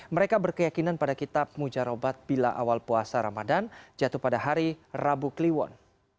mereka berkeyakinan pada kitab mujarobat bila awal puasa ramadan jatuh pada hari rabu kliwon